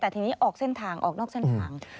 แต่ทีนี้ออกเส้นทางออกนอกเส้นทาง